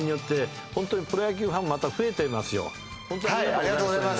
ありがとうございます。